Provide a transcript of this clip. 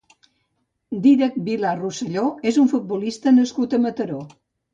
Dídac Vilà Rosselló és un futbolista nascut a Mataró.